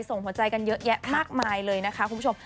ส่งหัวใจกันเยอะแยะมากมายเลยนะคะคุณผู้ชม